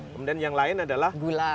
kemudian yang lain adalah gula